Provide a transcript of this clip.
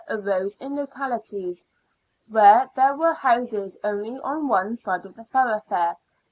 arose in localities where there were houses only on one side of the thoroughfare.